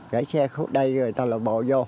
gửi xe khúc đây rồi người ta lộ bộ vô